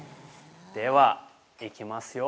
ではいきますよ。